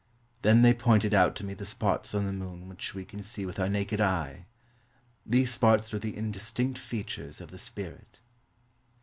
Then they pointed out to me the spots on the moon which we can see with our naked eye. These spots were the indistinct features of the spirit.